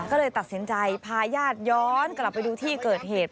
ก็เลยตัดสินใจพาญาติย้อนกลับไปดูที่เกิดเหตุ